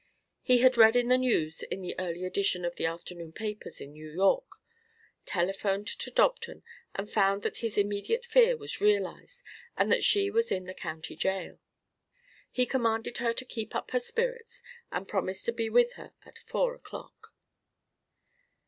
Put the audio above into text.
He had read the news in the early edition of the afternoon papers, in New York, telephoned to Dobton and found that his immediate fear was realised and that she was in the County Jail. He commanded her to keep up her spirits and promised to be with her at four o'clock.